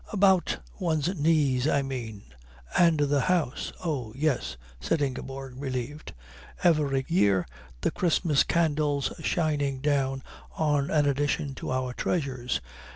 "About one's knees, I mean, and the house." "Oh, yes," said Ingeborg, relieved. "Every year the Christmas candles shining down on an addition to our treasures.